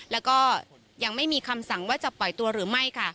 แล้วก็ยังไม่มีคำสั่งว่าจะปล่อยตัวหรือไม่ค่ะ